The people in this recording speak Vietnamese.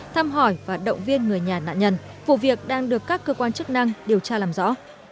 thăm hỏi và động viên người nhà nạn nhân vụ việc đang được các cơ quan chức năng điều tra làm rõ